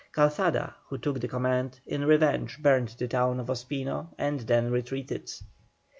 Calzada, who took the command, in revenge burned the town of Ospino and then retreated.